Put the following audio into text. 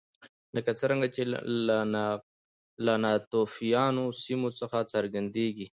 لکه څرنګه چې له ناتوفیانو سیمو څخه څرګندېږي